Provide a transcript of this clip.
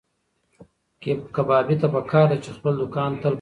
کبابي ته پکار ده چې خپل دوکان تل پاک وساتي.